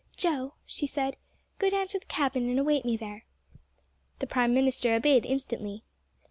"Joe," she said, "go down to the cabin and await me there." The prime minister obeyed instantly.